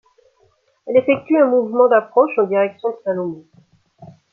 Elle effectue un mouvement d’approche en direction de Salomon.